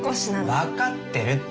分かってるって。